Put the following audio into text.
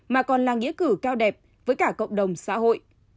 mà còn là nghĩa cử cao đẹp với cả cộng đồng xã hội